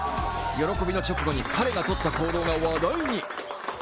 喜びの直後に彼がとった行動が話題に。